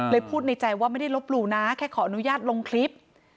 พูดในใจว่าไม่ได้ลบหลู่นะแค่ขออนุญาตลงคลิป